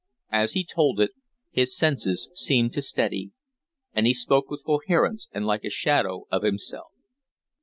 As he told it, his senses seemed to steady, and he spoke with coherence and like a shadow of himself.